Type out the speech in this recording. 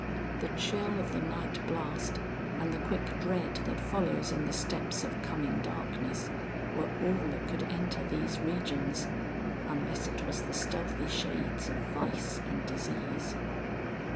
The chill of the night blast and the quick dread that follows in the steps of coming darkness, were all that could enter these regions, unless it was the stealthy shades of vice and disease.